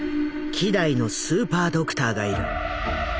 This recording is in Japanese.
希代のスーパードクターがいる。